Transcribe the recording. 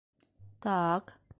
Та-ак...